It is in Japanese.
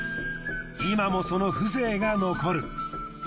今もその風情が残る。